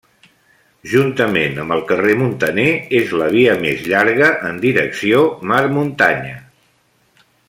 Juntament amb el Carrer Muntaner és la via més llarga en direcció mar-muntanya.